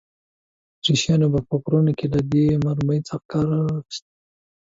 اتریشیانو به په غرونو کې له دې مرمۍ څخه کار اخیست.